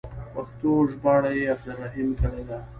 پښتو ژباړه یې عبدالرحیم کړې ده.